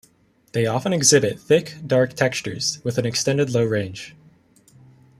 They often exhibit thick, dark textures, with an extended low range.